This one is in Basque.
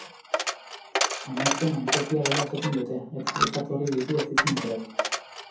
Ametsen antzokia dela esaten dute, eta bi jatorri ditu ezizen horrek.